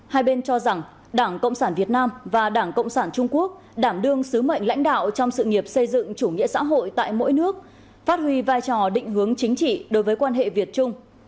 hai bên cho rằng đảng cộng sản việt nam và đảng cộng sản trung quốc đảm đương sứ mệnh lãnh đạo trong sự nghiệp xây dựng chủ nghĩa xã hội tại mỗi nước phát huy vai trò định hướng chính trị đối với quan hệ việt trung